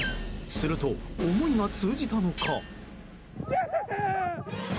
すると、思いが通じたのか。